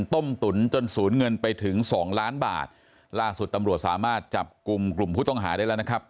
ต้มตุ๋นจนสูญเงินไปถึงสองล้านบาทล่าสุดตำรวจสามารถจับกลุ่มกลุ่มผู้ต้องหาได้แล้วนะครับ